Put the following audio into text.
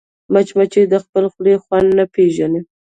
مچمچۍ د خپلې خولې خوند نه پېژني